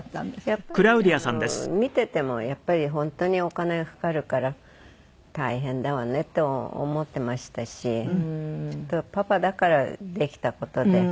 やっぱり見ていても本当にお金がかかるから大変だわねと思っていましたしパパだからできた事で。